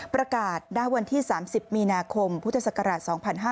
ประกาศด้าวันที่๓๐มีนาคมพุทธศักราช๒๕๖๒